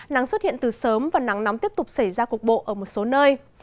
nắng xuất hiện từ sớm và nắng nóng tiếp tục xảy ra cục bộ ở một số nơi